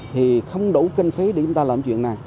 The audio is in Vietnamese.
thì chúng ta làm chuyện này